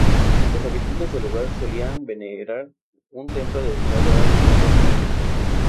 Los habitantes del lugar solían venerar un templo dedicado al dios Júpiter.